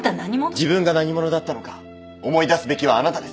自分が何者だったのか思い出すべきはあなたです。